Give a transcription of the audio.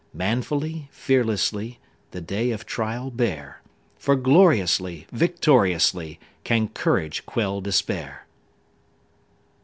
Manfully, fearlessly, The day of trial bear, For gloriously, victoriously, Can courage quell despair!